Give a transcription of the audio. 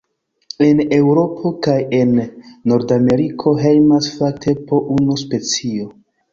En Eŭropo kaj en Nordameriko hejmas fakte po unu specio.